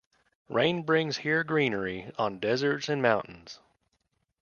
Rain brings here greenery on deserts and mountains.